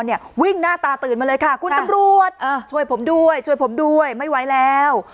เนี่ยวิ่งหน้าตาตื่นมาเลยค่ะคุณตำรวจช่วยผมด้วยช่วยผมด้วยไม่ไหวแล้ว